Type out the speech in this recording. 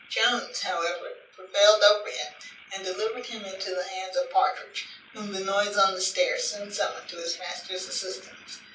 Jones, however, prevailed over him, and delivered him into the hands of Partridge, whom the noise on the stairs soon summoned to his master's assistance.